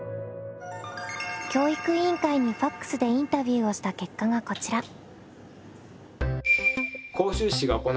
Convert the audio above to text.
教育委員会にＦＡＸでインタビューをした結果がこちら。